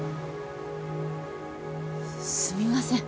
すみません。